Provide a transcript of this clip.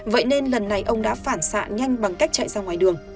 vậy nên lần này ông đã phản xạ nhanh bằng cách chạy ra ngoài đường